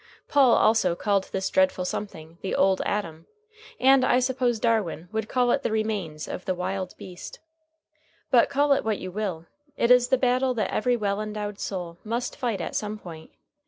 Paul also called this dreadful something the Old Adam, and I suppose Darwin would call it the remains of the Wild Beast. But call it what you will, it is the battle that every well endowed soul must fight at some point.